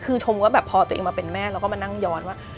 คือชมก็แบบพอตัวเองมาเป็นแม่เราก็มานั่งย้อนว่า